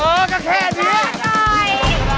เออก็แค่นี้แค่หน่อย